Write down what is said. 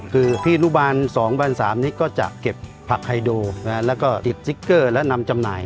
คือพี่นุบาล๒๓๐๐นี่ก็จะเก็บผักไฮโดแล้วก็ติดสติ๊กเกอร์และนำจำหน่าย